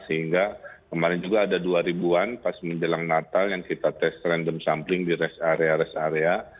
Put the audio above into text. sehingga kemarin juga ada dua ribu an pas menjelang natal yang kita tes random sampling di rest area rest area